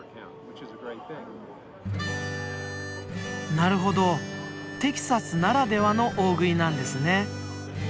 なるほどテキサスならではの大食いなんですね。